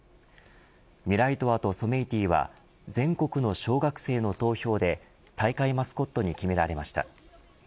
ミライトワとソメイティは全国の小学生の投票で大会マスコットに決められました。